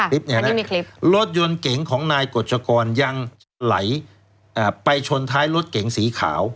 ค่ะอันนี้มีคลิปรถยนต์เก่งของนายกฎชกรยังไหลไปชนท้ายรถเก่งสีขาว